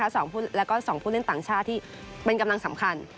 แล้วก็สองผู้แล้วก็สองผู้เล่นต่างชาติที่เป็นกำลังสำคัญครับ